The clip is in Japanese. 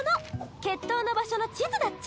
決闘の場所の地図だっちゃ。